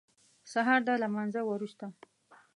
سهار د لمانځه وروسته.